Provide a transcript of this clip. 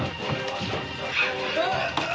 あっ！